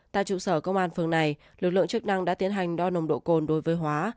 tại trụ sở công an phường này lực lượng chức năng đã tiến hành đo nồng độ cồn đối với hóa